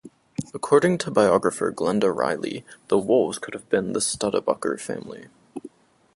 According to biographer Glenda Riley, "the wolves" could have been the Studabaker family.